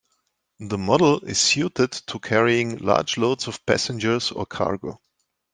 The model is suited to carrying large loads of passengers or cargo.